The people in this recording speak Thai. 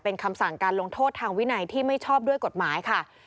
เป็นคำสั่งการลงโทษทางวินัยที่ไม่ชอบด้วยกฎหมายค่ะ